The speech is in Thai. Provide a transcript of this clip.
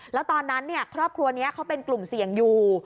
แล้วตอนนั้นครอบครัวนี้เขาเป็นกลุ่มเสี่ยงอยู่